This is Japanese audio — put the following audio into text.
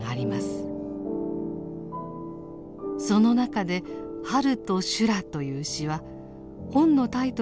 その中で「春と修羅」という詩は本のタイトルにもなった代表作です。